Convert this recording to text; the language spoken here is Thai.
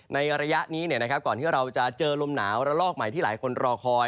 ในระยะนี้ก่อนที่เราจะเจอลมหนาวระลอกใหม่ที่หลายคนรอคอย